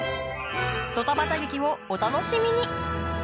ドタバタ劇をお楽しみに！